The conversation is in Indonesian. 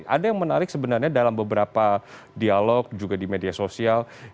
ada yang menarik sebenarnya dalam beberapa dialog juga di media sosial